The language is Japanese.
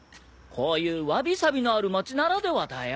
こういうわびさびのある町ならではだよ。